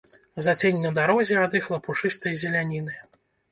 Зацень на дарозе ад іх лапушыстай зеляніны.